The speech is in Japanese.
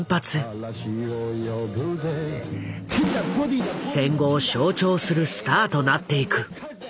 戦後を象徴するスターとなっていく。